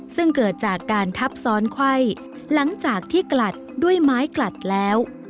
ซึ่งเกิดจากการทับซ้อนไขว้หลังจากที่กลัดด้วยไม้กลัดแล้ว